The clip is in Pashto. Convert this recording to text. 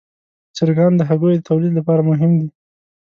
چرګان د هګیو د تولید لپاره مهم دي.